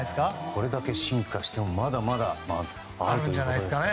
これだけ進化してもまだまだあるということですね。